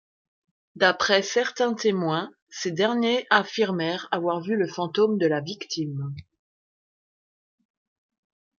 D'après certains témoins, ces derniers affirmèrent avoir vu le fantôme de la victime.